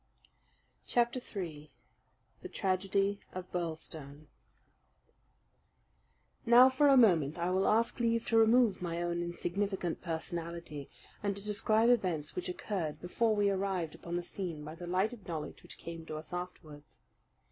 Chapter 3 The Tragedy of Birlstone Now for a moment I will ask leave to remove my own insignificant personality and to describe events which occurred before we arrived upon the scene by the light of knowledge which came to us afterwards.